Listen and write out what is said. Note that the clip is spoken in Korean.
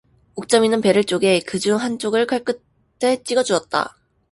옥점이는 배를 쪼개 그 중 한쪽을 칼끝에 찍어주었다.